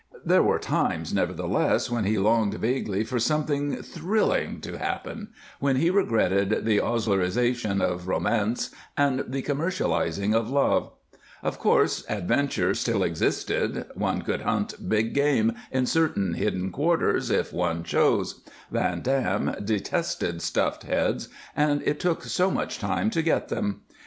There were times, nevertheless, when he longed vaguely for something thrilling to happen, when he regretted the Oslerization of romance and the commercializing of love. Of course, adventure still existed; one could hunt big game in certain hidden quarters, if one chose. Van Dam detested stuffed heads, and it took so much time to get them.